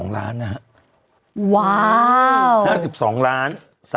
๕๒ล้าน